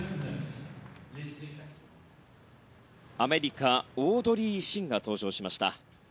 アメリカ、オードリー・シンが登場しました。